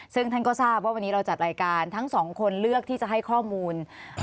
ซึ่งท่านก็ทราบว่าวันนี้เราจัดรายการทั้งสองคนเลือกที่จะให้ข้อมูล